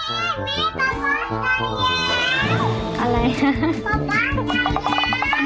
แม่แม่แม่พ่อตายแล้ว